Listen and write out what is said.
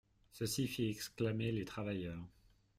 Ceci fit exclamer les travailleurs.